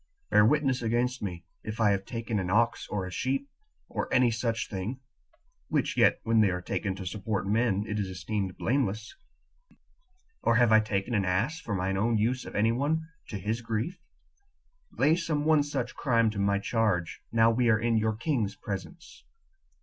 Bear witness against me, if I have taken an ox or a sheep, or any such thing, which yet when they are taken to support men, it is esteemed blameless; or have I taken an ass for mine own use of any one to his grief?lay some one such crime to my charge, now we are in your king's presence."